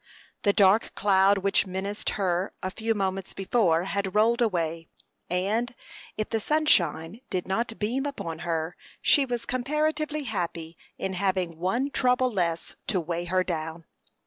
The dark cloud which menaced her a few moments before had rolled away, and, if the sunshine did not beam upon her, she was comparatively happy in having one trouble less to weigh her down.